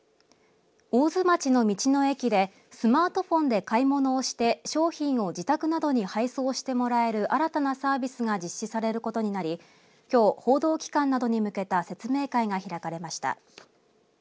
大津町の道の駅でスマートフォンで買い物をして商品を自宅などに配送してもらえる新たなサービスが実施されることになりきょう、報道機関などに向けた説明会が開かれました。